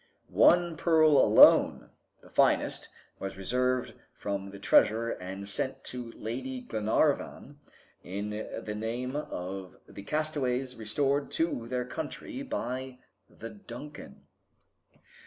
One pearl alone, the finest, was reserved from the treasure and sent to Lady Glenarvan in the name of the castaways restored to their country by the "Duncan."